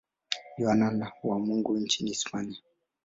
Yohane wa Mungu nchini Hispania.